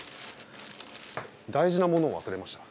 大事なものを忘れました。